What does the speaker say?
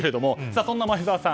そんな前澤さん